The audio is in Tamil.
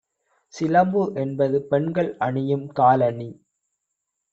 'சிலம்பு' என்பது பெண்கள் அணியும் காலணி